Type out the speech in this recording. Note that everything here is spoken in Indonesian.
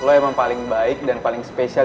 lo emang paling baik dan paling spesial